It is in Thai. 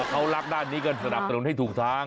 เขารักด้านนี้ก็สนับสนุนให้ถูกทาง